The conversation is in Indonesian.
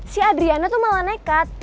si adriana tuh malah nekat